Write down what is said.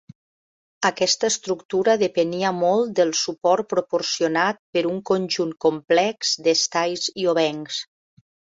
Aquesta estructura depenia molt del suport proporcionat per un conjunt complex d'estais i obencs.